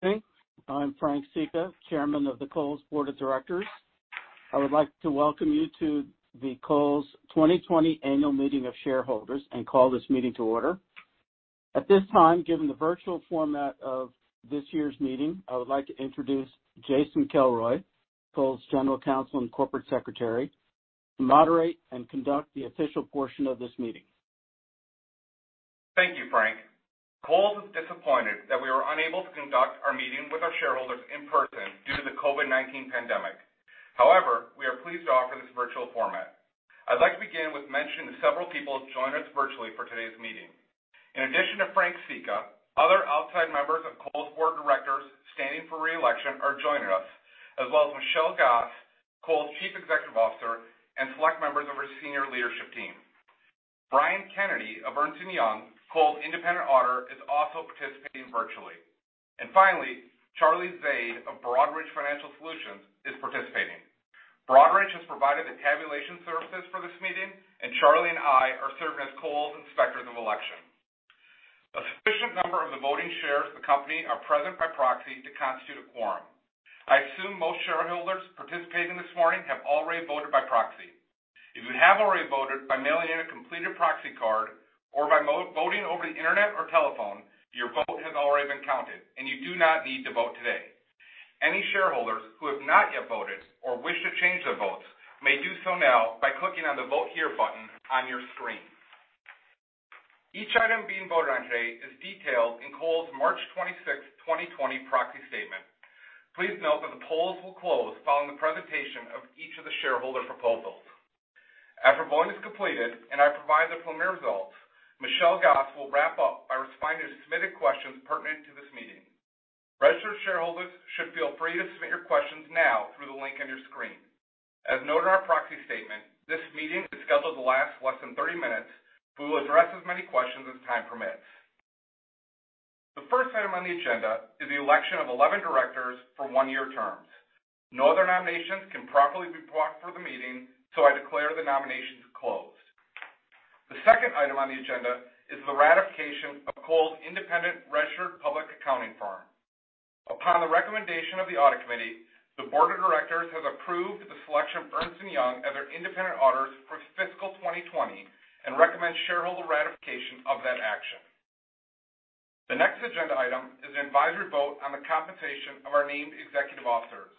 Good evening. I'm Frank Sica, Chairman of the Kohl's Board of Directors. I would like to welcome you to the Kohl's 2020 Annual Meeting of Shareholders and call this meeting to order. At this time, given the virtual format of this year's meeting, I would like to introduce Jason Kelroy, Kohl's General Counsel and Corporate Secretary, to moderate and conduct the official portion of this meeting. Thank you, Frank. Kohl's is disappointed that we were unable to conduct our meeting with our shareholders in person due to the COVID-19 pandemic. However, we are pleased to offer this virtual format. I'd like to begin with mentioning the several people who have joined us virtually for today's meeting. In addition to Frank Sica, other outside members of Kohl's Board of Directors standing for reelection are joining us, as well as Michelle Gass, Kohl's Chief Executive Officer, and select members of her senior leadership team. Brian Kennedy of Ernst & Young, Kohl's independent auditor, is also participating virtually. Finally, Charlie Zade of Broadridge Financial Solutions is participating. Broadridge has provided the tabulation services for this meeting, and Charlie and I are serving as Kohl's inspectors of election. A sufficient number of the voting shares of the company are present by proxy to constitute a quorum. I assume most shareholders participating this morning have already voted by proxy. If you have already voted by mailing in a completed proxy card or by voting over the internet or telephone, your vote has already been counted, and you do not need to vote today. Any shareholders who have not yet voted or wish to change their votes may do so now by clicking on the Vote Here button on your screen. Each item being voted on today is detailed in Kohl's March 26, 2020, proxy statement. Please note that the polls will close following the presentation of each of the shareholder proposals. After voting is completed and I provide the preliminary results, Michelle Gass will wrap up by responding to submitted questions pertinent to this meeting. Registered shareholders should feel free to submit your questions now through the link on your screen. As noted in our proxy statement, this meeting is scheduled to last less than 30 minutes, but we will address as many questions as time permits. The first item on the agenda is the election of 11 directors for one-year terms. No other nominations can properly be brought for the meeting, so I declare the nominations closed. The second item on the agenda is the ratification of Kohl's independent registered public accounting firm. Upon the recommendation of the audit committee, the Board of Directors has approved the selection of Ernst & Young as their independent auditors for fiscal 2020 and recommends shareholder ratification of that action. The next agenda item is an advisory vote on the compensation of our named executive officers.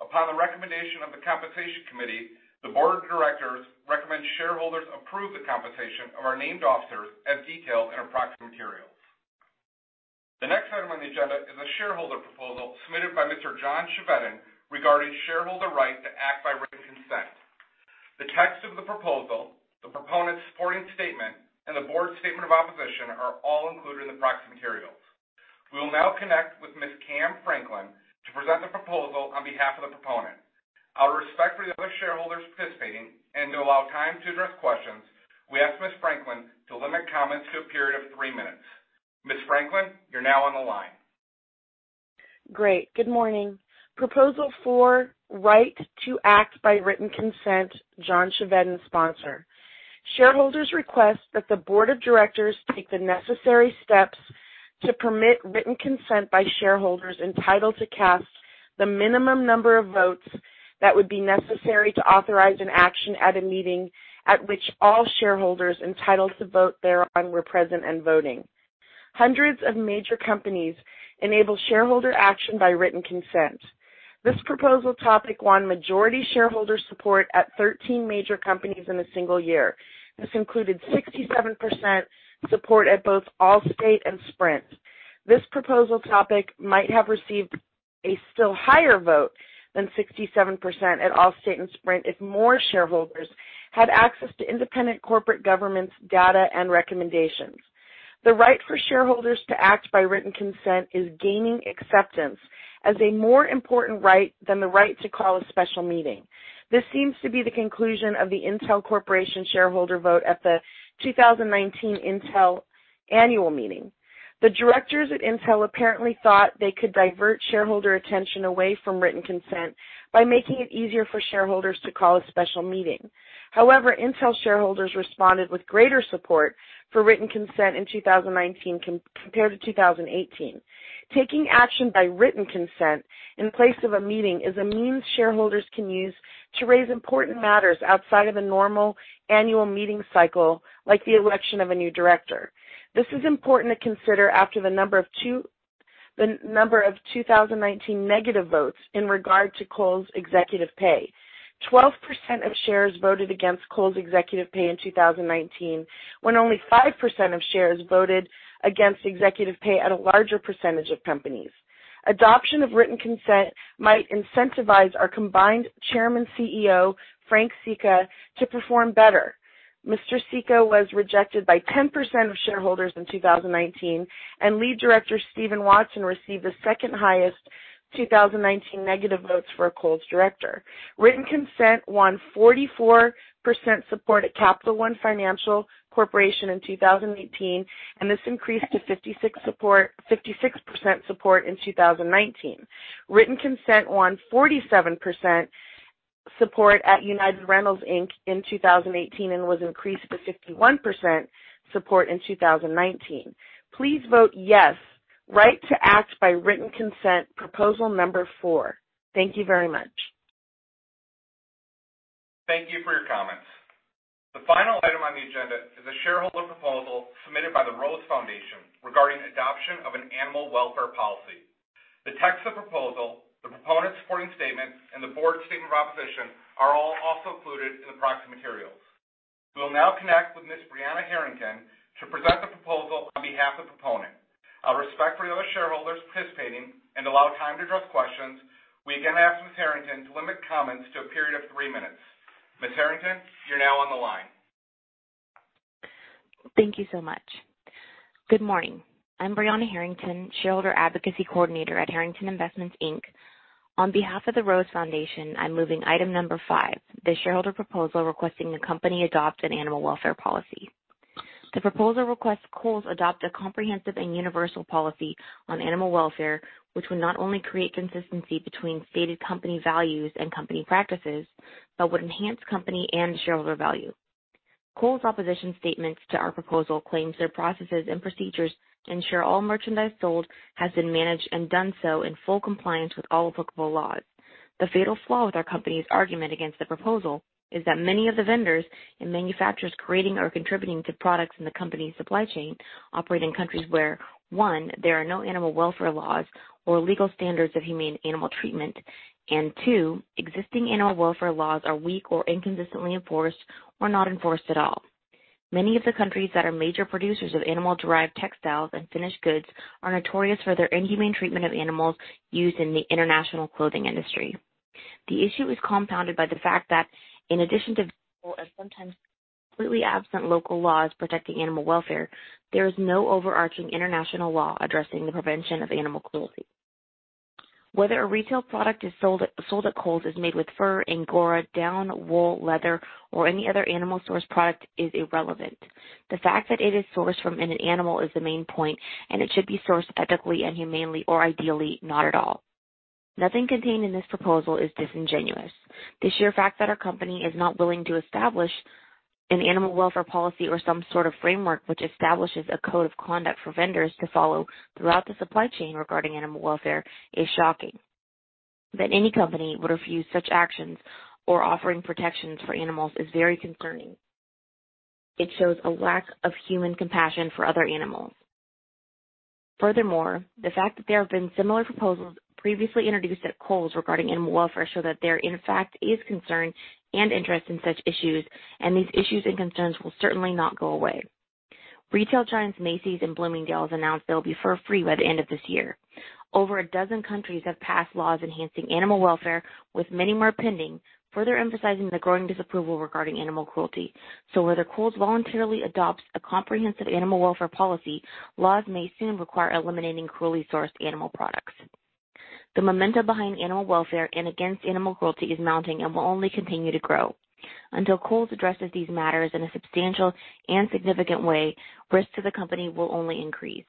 Upon the recommendation of the compensation committee, the Board of Directors recommends shareholders approve the compensation of our named officers as detailed in our proxy materials. The next item on the agenda is a shareholder proposal submitted by Mr. John Chevedden regarding shareholder rights to act by written consent. The text of the proposal, the proponent's supporting statement, and the board's statement of opposition are all included in the proxy materials. We will now connect with Ms. Cam Franklin to present the proposal on behalf of the proponent. Out of respect for the other shareholders participating and to allow time to address questions, we ask Ms. Franklin to limit comments to a period of three minutes. Ms. Franklin, you're now on the line. Great. Good morning. Proposal for right to act by written consent, John Chevedden sponsor. Shareholders request that the Board of Directors take the necessary steps to permit written consent by shareholders entitled to cast the minimum number of votes that would be necessary to authorize an action at a meeting at which all shareholders entitled to vote thereon were present and voting. Hundreds of major companies enable shareholder action by written consent. This proposal topic won majority shareholder support at 13 major companies in a single year. This included 67% support at both Allstate and Sprint. This proposal topic might have received a still higher vote than 67% at Allstate and Sprint if more shareholders had access to independent corporate governance data and recommendations. The right for shareholders to act by written consent is gaining acceptance as a more important right than the right to call a special meeting. This seems to be the conclusion of the Intel Corporation shareholder vote at the 2019 Intel Annual Meeting. The directors at Intel apparently thought they could divert shareholder attention away from written consent by making it easier for shareholders to call a special meeting. However, Intel shareholders responded with greater support for written consent in 2019 compared to 2018. Taking action by written consent in place of a meeting is a means shareholders can use to raise important matters outside of the normal annual meeting cycle, like the election of a new director. This is important to consider after the number of 2019 negative votes in regard to Kohl's executive pay. 12% of shares voted against Kohl's executive pay in 2019, when only 5% of shares voted against executive pay at a larger percentage of companies. Adoption of written consent might incentivize our combined chairman/CEO, Frank Sica, to perform better. Mr. Sica was rejected by 10% of shareholders in 2019, and Lead Director Stephen Watson received the second highest 2019 negative votes for a Kohl's director. Written consent won 44% support at Capital One Financial Corporation in 2018, and this increased to 56% support in 2019. Written consent won 47% support at United Rentals, Inc. in 2018 and was increased to 51% support in 2019. Please vote yes, right to act by written consent, proposal number four. Thank you very much. Thank you for your comments. The final item on the agenda is a shareholder proposal submitted by the Rose Foundation regarding adoption of an animal welfare policy. The text of the proposal, the proponent's supporting statement, and the board's statement of opposition are all also included in the proxy materials. We will now connect with Ms. Brianna Harrington to present the proposal on behalf of the proponent. Out of respect for the other shareholders participating and to allow time to address questions, we again ask Ms. Harrington to limit comments to a period of three minutes. Ms. Harrington, you're now on the line. Thank you so much. Good morning. I'm Brianna Harrington, shareholder advocacy coordinator at Harrington Investments. On behalf of the Rose Foundation, I'm moving item number five, the shareholder proposal requesting the company adopt an animal welfare policy. The proposal requests Kohl's adopt a comprehensive and universal policy on animal welfare, which would not only create consistency between stated company values and company practices, but would enhance company and shareholder value. Kohl's opposition statements to our proposal claims their processes and procedures ensure all merchandise sold has been managed and done so in full compliance with all applicable laws. The fatal flaw with our company's argument against the proposal is that many of the vendors and manufacturers creating or contributing to products in the company's supply chain operate in countries where, one, there are no animal welfare laws or legal standards of humane animal treatment, and two, existing animal welfare laws are weak or inconsistently enforced or not enforced at all. Many of the countries that are major producers of animal-derived textiles and finished goods are notorious for their inhumane treatment of animals used in the international clothing industry. The issue is compounded by the fact that, in addition to visible and sometimes completely absent local laws protecting animal welfare, there is no overarching international law addressing the prevention of animal cruelty. Whether a retail product sold at Kohl's is made with fur, angora, down, wool, leather, or any other animal-sourced product is irrelevant. The fact that it is sourced from an animal is the main point, and it should be sourced ethically and humanely or ideally not at all. Nothing contained in this proposal is disingenuous. The sheer fact that our company is not willing to establish an animal welfare policy or some sort of framework which establishes a code of conduct for vendors to follow throughout the supply chain regarding animal welfare is shocking. That any company would refuse such actions or offering protections for animals is very concerning. It shows a lack of human compassion for other animals. Furthermore, the fact that there have been similar proposals previously introduced at Kohl's regarding animal welfare shows that there, in fact, is concern and interest in such issues, and these issues and concerns will certainly not go away. Retail giants Macy's and Bloomingdale's announced they'll be fur-free by the end of this year. Over a dozen countries have passed laws enhancing animal welfare, with many more pending, further emphasizing the growing disapproval regarding animal cruelty. Whether Kohl's voluntarily adopts a comprehensive animal welfare policy, laws may soon require eliminating cruelly sourced animal products. The momentum behind animal welfare and against animal cruelty is mounting and will only continue to grow. Until Kohl's addresses these matters in a substantial and significant way, risks to the company will only increase.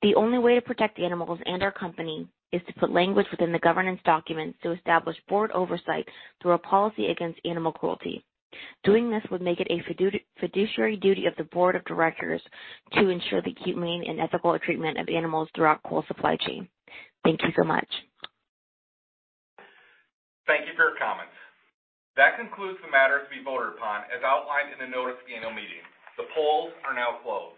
The only way to protect the animals and our company is to put language within the governance documents to establish board oversight through a policy against animal cruelty. Doing this would make it a fiduciary duty of the Board of Directors to ensure the humane and ethical treatment of animals throughout Kohl's supply chain. Thank you so much. Thank you for your comments. That concludes the matters to be voted upon as outlined in the notice of the annual meeting. The polls are now closed.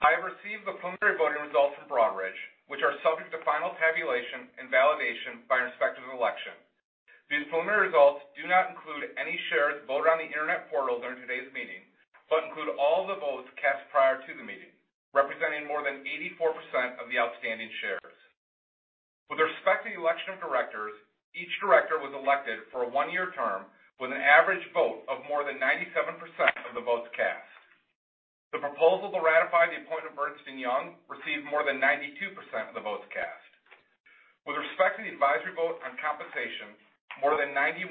I have received the preliminary voting results from Broadridge, which are subject to final tabulation and validation by respect of the election. These preliminary results do not include any shares voted on the internet portal during today's meeting, but include all of the votes cast prior to the meeting, representing more than 84% of the outstanding shares. With respect to the election of directors, each director was elected for a one-year term with an average vote of more than 97% of the votes cast. The proposal to ratify the appointment of Ernst & Young received more than 92% of the votes cast. With respect to the advisory vote on compensation, more than 91%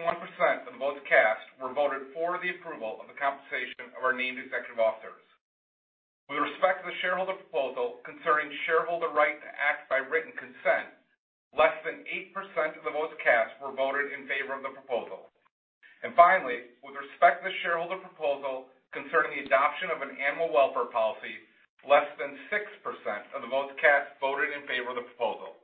of the votes cast were voted for the approval of the compensation of our named executive officers. With respect to the shareholder proposal concerning shareholder right to act by written consent, less than 8% of the votes cast were voted in favor of the proposal. With respect to the shareholder proposal concerning the adoption of an animal welfare policy, less than 6% of the votes cast voted in favor of the proposal.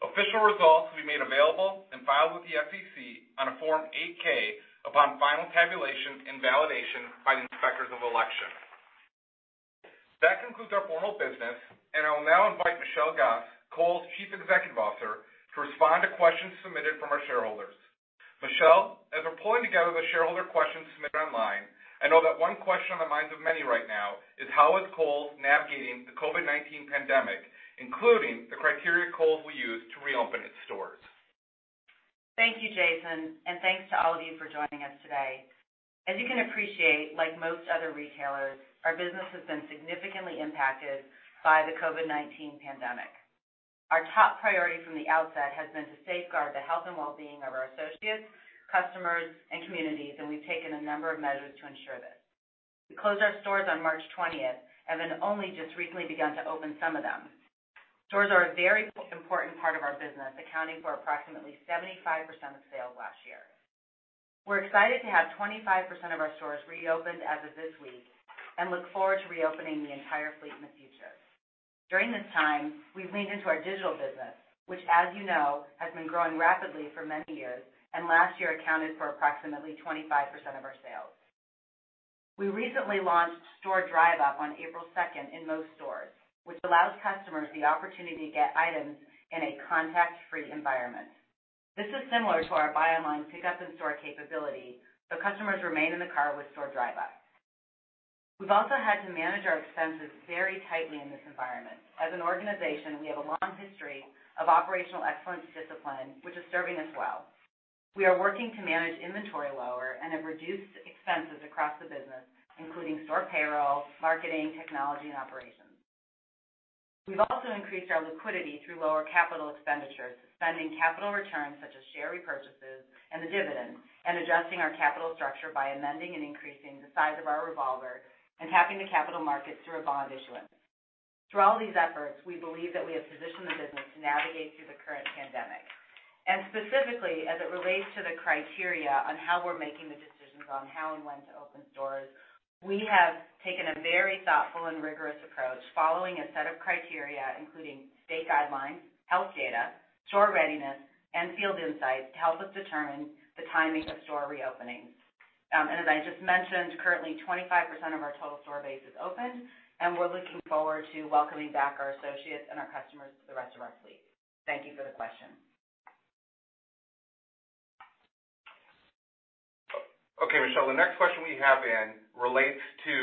Official results will be made available and filed with the SEC on a Form 8-K upon final tabulation and validation by the inspectors of election. That concludes our formal business, and I will now invite Michelle Gass, Kohl's Chief Executive Officer, to respond to questions submitted from our shareholders. Michelle, as we're pulling together the shareholder questions submitted online, I know that one question on the minds of many right now is how is Kohl's navigating the COVID-19 pandemic, including the criteria Kohl's will use to reopen its stores? Thank you, Jason, and thanks to all of you for joining us today. As you can appreciate, like most other retailers, our business has been significantly impacted by the COVID-19 pandemic. Our top priority from the outset has been to safeguard the health and well-being of our associates, customers, and communities, and we've taken a number of measures to ensure this. We closed our stores on March 20 and have only just recently begun to open some of them. Stores are a very important part of our business, accounting for approximately 75% of sales last year. We're excited to have 25% of our stores reopened as of this week and look forward to reopening the entire fleet in the future. During this time, we've leaned into our digital business, which, as you know, has been growing rapidly for many years and last year accounted for approximately 25% of our sales. We recently launched Store Drive Up on April 2 in most stores, which allows customers the opportunity to get items in a contact-free environment. This is similar to our buy-online pickup and store capability, but customers remain in the car with Store Drive Up. We've also had to manage our expenses very tightly in this environment. As an organization, we have a long history of operational excellence discipline, which is serving us well. We are working to manage inventory lower and have reduced expenses across the business, including store payroll, marketing, technology, and operations. We've also increased our liquidity through lower capital expenditures, suspending capital returns such as share repurchases and the dividend, and adjusting our capital structure by amending and increasing the size of our revolver and tapping the capital markets through a bond issuance. Through all these efforts, we believe that we have positioned the business to navigate through the current pandemic. Specifically, as it relates to the criteria on how we're making the decisions on how and when to open stores, we have taken a very thoughtful and rigorous approach, following a set of criteria, including state guidelines, health data, store readiness, and field insights to help us determine the timing of store reopenings. As I just mentioned, currently, 25% of our total store base is opened, and we're looking forward to welcoming back our associates and our customers to the rest of our fleet. Thank you for the question. Okay, Michelle, the next question we have in relates to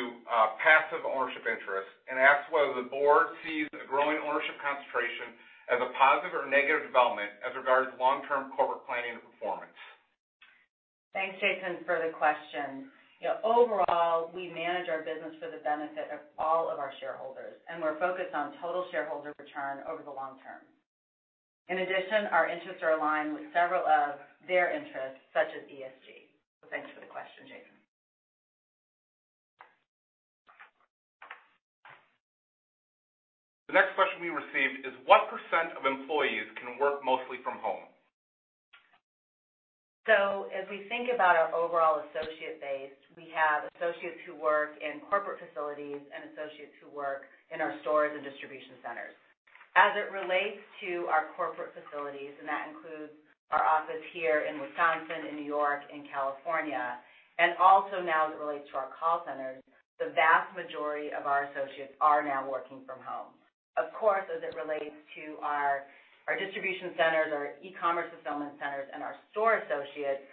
passive ownership interest and asks whether the board sees a growing ownership concentration as a positive or negative development as regards to long-term corporate planning and performance. Thanks, Jason, for the question. Overall, we manage our business for the benefit of all of our shareholders, and we're focused on total shareholder return over the long term. In addition, our interests are aligned with several of their interests, such as ESG. Thanks for the question, Jason. The next question we received is, what percent of employees can work mostly from home? As we think about our overall associate base, we have associates who work in corporate facilities and associates who work in our stores and distribution centers. As it relates to our corporate facilities, and that includes our office here in Wisconsin, in New York, in California, and also now as it relates to our call centers, the vast majority of our associates are now working from home. Of course, as it relates to our distribution centers, our e-commerce fulfillment centers, and our store associates,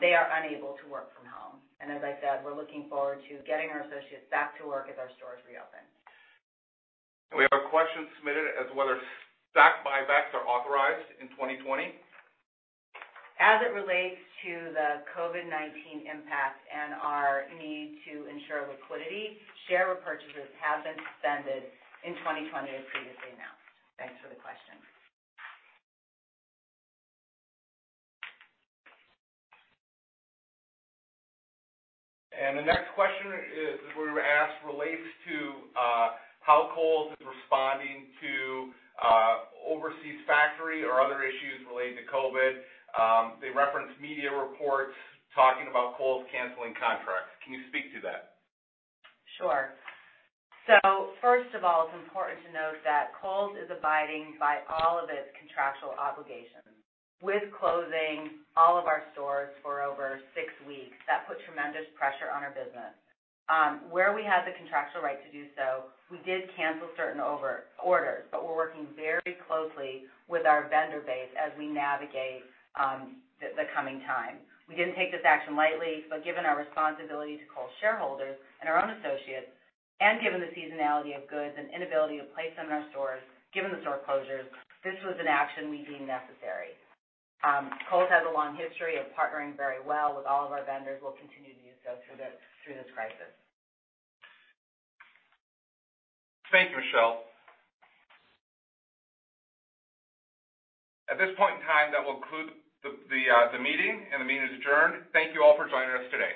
they are unable to work from home. As I said, we're looking forward to getting our associates back to work as our stores reopen. We have a question submitted as to whether stock buybacks are authorized in 2020. As it relates to the COVID-19 impact and our need to ensure liquidity, share repurchases have been suspended in 2020 as previously announced. Thanks for the question. The next question we were asked relates to how Kohl's is responding to overseas factory or other issues related to COVID. They referenced media reports talking about Kohl's canceling contracts. Can you speak to that? Sure. First of all, it's important to note that Kohl's is abiding by all of its contractual obligations. With closing all of our stores for over six weeks, that put tremendous pressure on our business. Where we had the contractual right to do so, we did cancel certain orders, but we're working very closely with our vendor base as we navigate the coming time. We didn't take this action lightly, but given our responsibility to Kohl's shareholders and our own associates, and given the seasonality of goods and inability to place them in our stores, given the store closures, this was an action we deemed necessary. Kohl's has a long history of partnering very well with all of our vendors. We'll continue to do so through this crisis. Thank you, Michelle. At this point in time, that will conclude the meeting, and the meeting is adjourned. Thank you all for joining us today.